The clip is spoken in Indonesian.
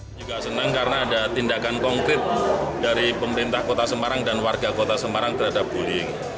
saya juga senang karena ada tindakan konkret dari pemerintah kota semarang dan warga kota semarang terhadap bullying